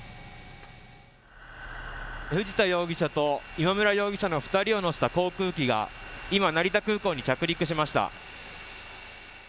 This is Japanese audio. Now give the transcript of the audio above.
藤田容疑者と今村容疑者の２人を乗せた航空機が今、成田空港に着陸しました。